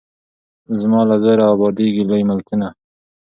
زما له زوره ابادیږي لوی ملکونه